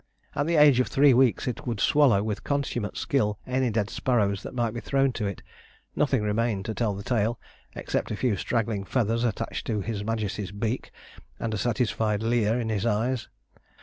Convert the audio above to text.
At the age of three weeks it would swallow with consummate skill any dead sparrow that might be thrown to it: nothing remained to tell the tale except a few straggling feathers attached to his majesty's beak and a satisfied leer in his eyes.